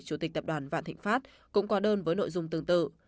chủ tịch tập đoàn vạn thịnh phát cũng qua đơn với nội dung tương tự